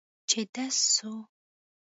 چې ډز سو.